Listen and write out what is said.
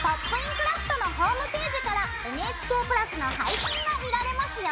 クラフト」のホームページからＮＨＫプラスの配信が見られますよ。